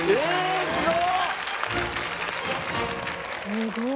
すごい。